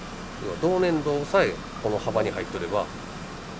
動粘度さえこの幅に入っとれば。